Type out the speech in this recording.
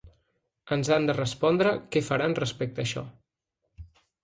Ens han de respondre què faran respecte d’això.